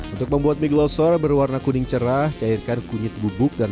untuk membuat mie glosor berwarna kuning cerah cairkan kunyit bubuk dan